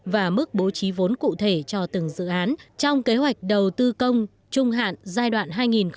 và mức bố trí vốn cụ thể cho từng dự án trong kế hoạch đầu tư công trung hạn giai đoạn hai nghìn hai mươi một hai nghìn hai mươi